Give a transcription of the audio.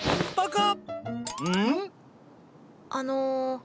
あの。